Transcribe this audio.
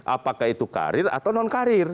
apakah itu karir atau non karir